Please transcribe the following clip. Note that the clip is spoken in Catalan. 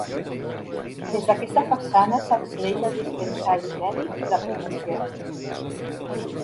Des d'aquesta façana s'accedeix al dispensari mèdic de la població.